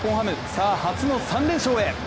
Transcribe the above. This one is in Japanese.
さあ、初の３連勝へ。